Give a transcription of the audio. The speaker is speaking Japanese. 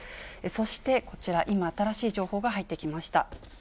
そしてこちら、今、新しい情報が入ってきました。